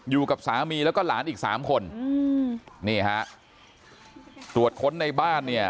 อยู่กับสามีแล้วก็หลานอีกสามคนอืมนี่ฮะตรวจค้นในบ้านเนี่ย